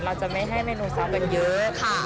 เราจะไม่ให้เมนูซอฟกันเยอะ